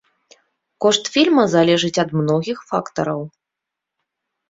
Кошт фільма залежыць ад многіх фактараў.